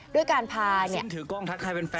ด้วยการพาเนี่ย